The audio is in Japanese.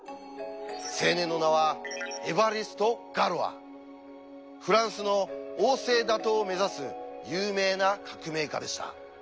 青年の名はフランスの王政打倒を目指す有名な革命家でした。